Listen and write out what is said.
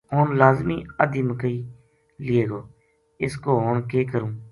ہن لازمی اَدھی مکئی لِیے گو اِس کو ہن کے کروں